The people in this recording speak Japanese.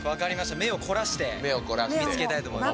目を凝らして見つけたいと思います。